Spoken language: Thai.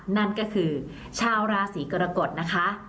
นั่นก็คือชาวราศีกรกฎนะคะ